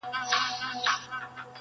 • کچکول به یوسو تر خیراتونو -